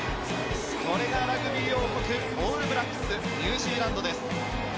これがラグビー王国オールブラックス、ニュージーランドです。